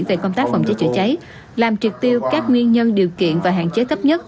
về công tác phòng cháy chữa cháy làm triệt tiêu các nguyên nhân điều kiện và hạn chế thấp nhất